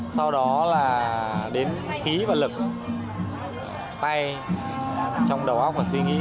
sau đó là đến ký và lực tay trong đầu óc và suy nghĩ